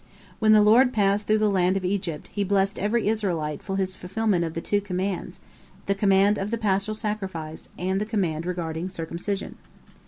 When the Lord passed through the land of Egypt, He blessed every Israelite for his fulfilment of the two commands, the command of the paschal sacrifice and the command regarding circumcision."